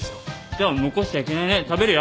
じゃあ残しちゃいけないね食べるよ。